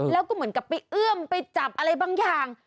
แล้วก็เหมือนกับไปเอื้อมไปจับอะไรบางอย่าง